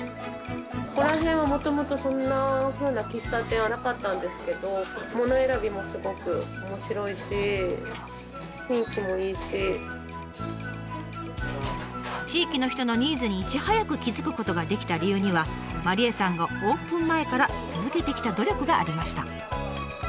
ここら辺はもともとそんなふうな喫茶店はなかったんですけど地域の人のニーズにいち早く気付くことができた理由には麻梨絵さんがオープン前から続けてきた努力がありました。